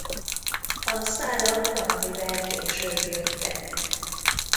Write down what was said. A szálak valamivel később jöttek.